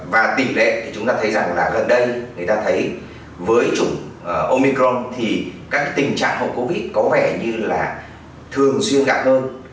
và tỷ lệ thì chúng ta thấy rằng là gần đây người ta thấy với chủng omicron thì các tình trạng hậu covid có vẻ như là thường xuyên nặng hơn